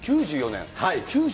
９４年？